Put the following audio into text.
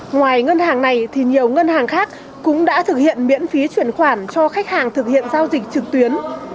ngoài ngân hàng này thì nhiều ngân hàng khác cũng đã thực hiện miễn phí chuyển khoản cho khách hàng thực hiện giao dịch trực tuyến